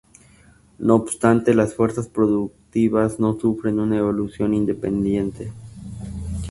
No obstante, las fuerzas productivas no sufren una evolución independiente.